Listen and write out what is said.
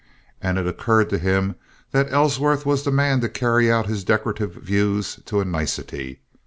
And it occurred to him that Ellsworth was the man to carry out his decorative views to a nicety.